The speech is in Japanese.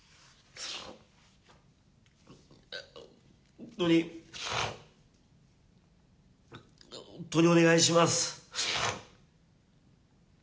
本当に、本当にお願いします。